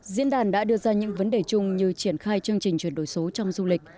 diễn đàn đã đưa ra những vấn đề chung như triển khai chương trình chuyển đổi số trong du lịch